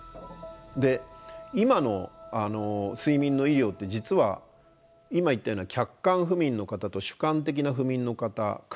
で今の睡眠の医療って実は今言ったような客観不眠の方と主観的な不眠の方区別しません。